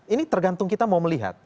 ini tergantung kita mau melihat